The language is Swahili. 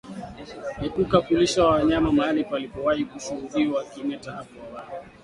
Epuka kulisha wanyama mahali palipowahi kushuhudiwa kimeta hapo awali